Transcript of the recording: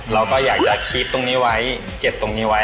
เราก็อยากจะคิดตรงนี้ไว้เก็บตรงนี้ไว้